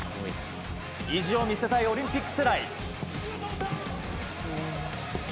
意地を見せたいオリンピック世代。